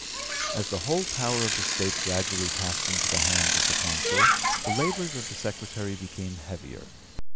As the whole power of the State gradually passed into the hands of the Consul, the labours of the secretary became heavier.